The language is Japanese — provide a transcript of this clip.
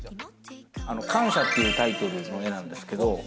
『感謝』っていうタイトルの絵なんですけど。